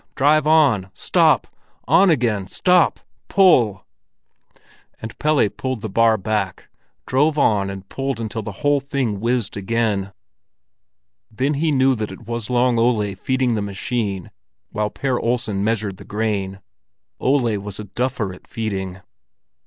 Drive on! Stop! On again! Stop! Pull!" And Pelle pulled the bar back, drove on and pulled until the whole thing whizzed again. Then he knew that it was Long Ole feeding the machine while Per Olsen measured the grain: Ole was a duffer at feeding.